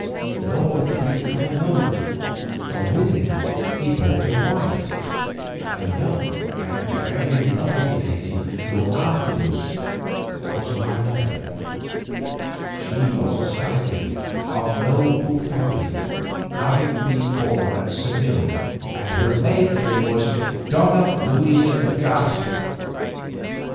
Nor did he come alone, for with him he brought a wife, a young and very lovely lady, who afterwards was my mother. She was a Spaniard of noble family, having been born at Seville, and her maiden name was Donna Luisa de Garcia.